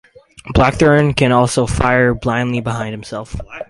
Blackthorne can also fire blindly behind himself.